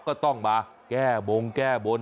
ก็ต้องมาแก้บงแก้บน